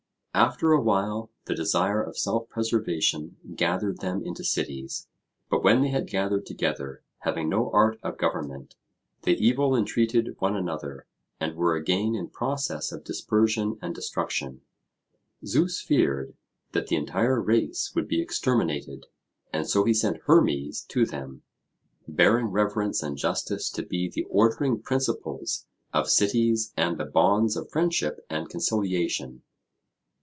After a while the desire of self preservation gathered them into cities; but when they were gathered together, having no art of government, they evil intreated one another, and were again in process of dispersion and destruction. Zeus feared that the entire race would be exterminated, and so he sent Hermes to them, bearing reverence and justice to be the ordering principles of cities and the bonds of friendship and conciliation.